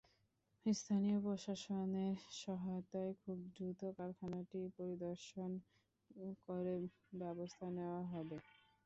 স্থানীয় প্রশাসনের সহায়তায় খুব দ্রুত কারখানাটি পরিদর্শন করে ব্যবস্থা নেওয়া হবে।